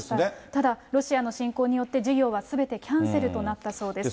ただ、ロシアの侵攻によって授業はすべてキャンセルとなったそうです。